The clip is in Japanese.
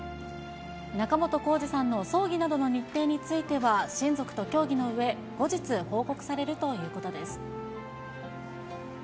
仲本工事さんの葬儀などの日程については親族と協議のうえ、後日、報告されるということです。